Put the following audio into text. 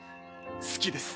好きです。